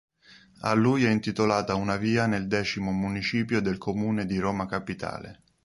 A lui è intitolata una via nel X Municipio del comune di Roma Capitale.